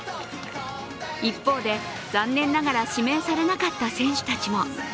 一方で、残念ながら指名されなかった選手たちも。